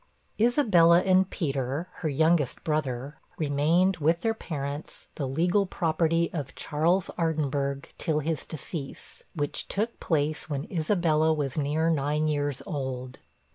Isabella and Peter, her youngest brother, remained, with their parents, the legal property of Charles Ardinburgh till his decease, which took place when Isabella was near nine years old.